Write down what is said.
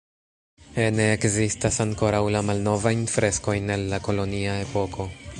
Ene ekzistas ankoraŭ la malnovajn freskojn el la kolonia epoko.